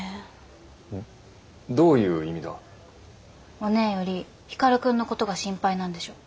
おねぇより光くんのことが心配なんでしょ。